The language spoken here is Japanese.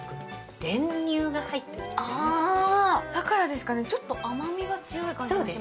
だからですかね、ちょっと甘みが強い感じです。